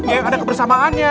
yang ada kebersamaannya